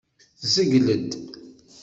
Tzegled.